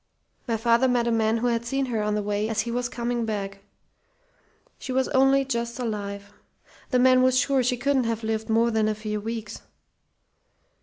My father met a man who had seen her on the way as he was coming back. She was only just alive. The man was sure she couldn't have lived more than a few weeks.